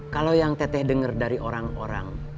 kalau yang teteh dengar dari orang orang